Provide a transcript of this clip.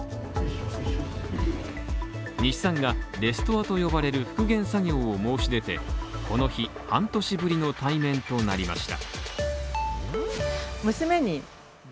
日産がレストアと呼ばれる復元作業を申し出て、この日、半年ぶりの対面となりました。